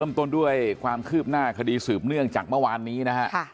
ต้นด้วยความคืบหน้าคดีสืบเนื่องจากเมื่อวานนี้นะฮะ